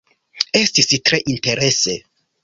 Estis tre interese